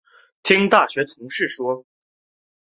听大学同事说